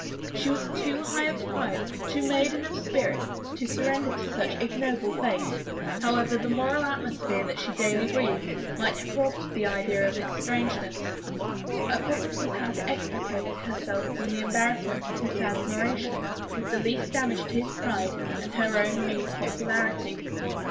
She was too high of pride, too maiden of spirit to surrender to such ignoble fate, however the moral atmosphere that she daily breathed, might have robbed the idea of its strangeness. Her problem was how to extricate herself from the embarrassment of his admiration with the least damage to his pride and her own new popularity.